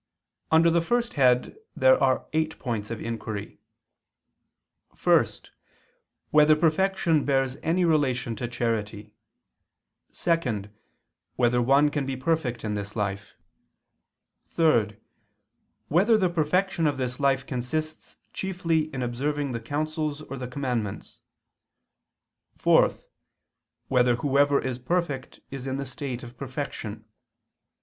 Under the first head there are eight points of inquiry: (1) Whether perfection bears any relation to charity? (2) Whether one can be perfect in this life? (3) Whether the perfection of this life consists chiefly in observing the counsels or the commandments? (4) Whether whoever is perfect is in the state of perfection?